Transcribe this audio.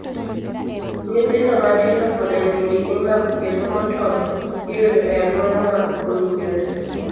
Nyithindo matindo koda nyiri imako kendo motony, iyudo e aluora ma okowinjore.